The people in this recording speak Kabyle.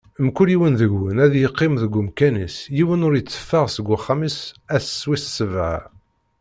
Mkul yiwen deg-wen ad iqqim deg umkan-is, yiwen ur itteffeɣ seg uxxam-is ass wis sebɛa.